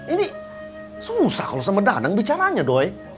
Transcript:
ini susah kalau sama danang bicaranya doy